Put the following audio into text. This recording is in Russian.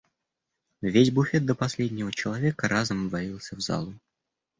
Весь буфет до последнего человека разом ввалился в залу.